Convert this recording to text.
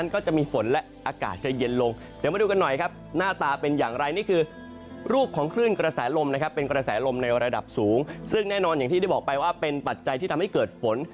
แน่นอนอย่างที่ได้บอกไปว่าเป็นปัจจัยที่ทำให้เกิดฝน